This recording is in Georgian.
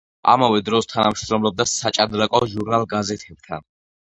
ამავე დროს თანამშრომლობდა საჭადრაკო ჟურნალ-გაზეთებთან.